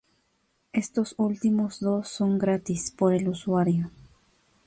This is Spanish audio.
Estos últimos dos son gratis por el usuario.